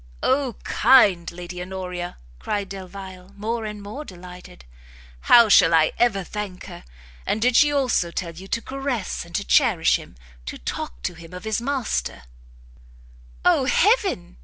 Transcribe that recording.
"O kind Lady Honoria!" cried Delvile, more and more delighted, "how shall I ever thank her! And did she also tell you to caress and to cherish him? to talk to him of his master " "O heaven!"